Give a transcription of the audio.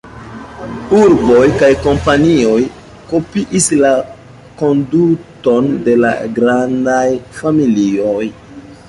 Urboj kaj kompanioj kopiis la konduton de la grandaj familioj.